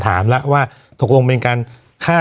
วันนี้แม่ช่วยเงินมากกว่า